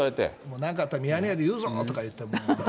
なんかあったらミヤネ屋で言うぞっていって。